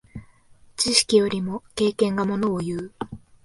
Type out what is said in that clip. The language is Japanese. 知識よりも経験がものをいう。